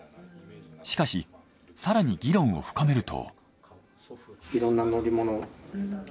しかし更に議論を深めると。